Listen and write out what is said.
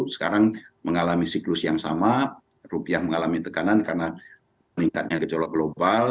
sekarang mengalami siklus yang sama rupiah mengalami tekanan karena meningkatnya gejolak global